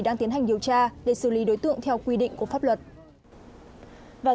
đang tiến hành điều tra để xử lý đối tượng theo quy định của pháp luật